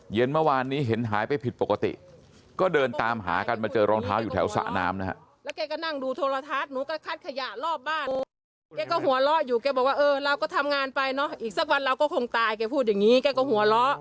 เย็นเมื่อวานนี้เห็นหายไปผิดปกติก็เดินตามหากันมาเจอรองเท้าอยู่แถวสะน้ำนะฮะ